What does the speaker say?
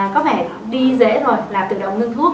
có vẻ đi dễ rồi là tự động ngưng thuốc